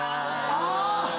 あぁ！